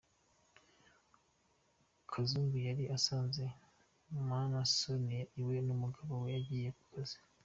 Kazungu yari asanze Mana Sonia iwe umugabo we yagiye ku kazi.